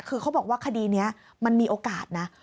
คือเขาบอกว่าคดีนี้มันมีโอกาสนะ